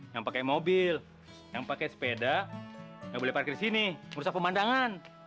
yang pakai mobil yang pakai sepeda nggak boleh parkir di sini merusak pemandangan